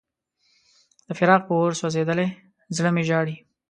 د فراق په اور سوځېدلی زړه مې ژاړي.